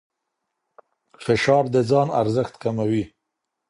فشار د ځان ارزښت کموي.